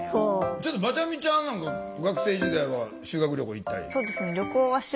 ちょっとまちゃみちゃんなんか学生時代は修学旅行行ったり？